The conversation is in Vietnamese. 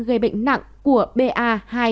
gây bệnh nặng của ba hai nghìn một trăm hai mươi một